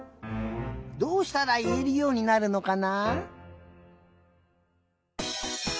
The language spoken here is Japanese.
どうしたらいえるようになるのかな？